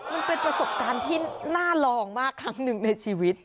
มันเป็นประสบการณ์ที่น่าลองมากครั้งหนึ่งในชีวิต